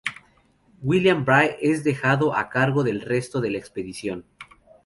William Brahe es dejado a cargo del resto de la expedición.